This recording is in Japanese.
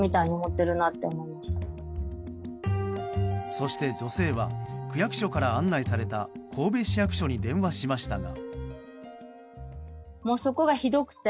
そして、女性は区役所から案内された神戸市役所に電話しましたが。